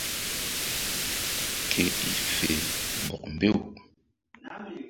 Ke i fe bɔk mbew.